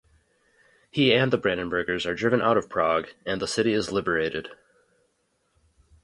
He and the Brandenburgers are driven out of Prague, and the city is liberated.